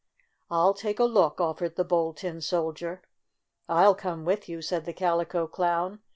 "I'll take a look," offered the Bold Tin Soldier. "I'll come with you," said the Calico Clown.